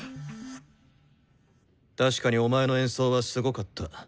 確かにお前の演奏はすごかった。